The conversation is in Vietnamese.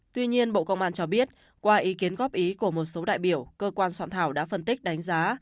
tuy nhiên bộ công an cho biết qua ý kiến góp ý của một số đại biểu cơ quan soạn thảo đã phân tích đánh giá